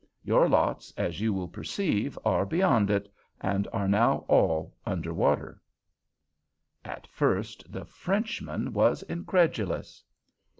Your lots, as you will perceive, are beyond it; and are now all under water." At first the Frenchman was incredulous.